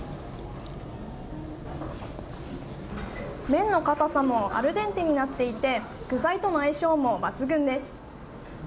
麺の硬さもアルデンテになっていて具材との相性も抜群です。